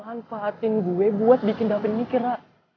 manfaatin gue buat bikin davin mikir rara